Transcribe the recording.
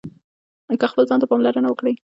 که خپل ځان ته پاملرنه وکړئ